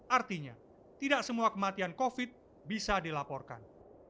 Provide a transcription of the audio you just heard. artinya tidak semua kematian covid bisa dilaporkan